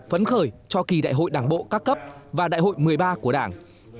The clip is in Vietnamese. phấn khởi cho kỳ đại hội đảng bộ các cấp và đại hội một mươi ba của đảng